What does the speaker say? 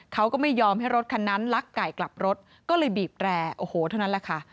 เขาก็ไม่ยอมให้รถคันนั้นลักไก่กลับรถก็เลยบีบแร่โอ้โหเท่านั้นแหละค่ะ